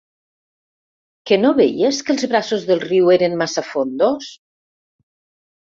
Que no veies que els braços del riu eren massa fondos?